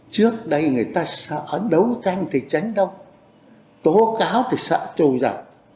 trước đây người ta sợ đấu tranh thì tránh đông tố cáo thì sợ trù giặc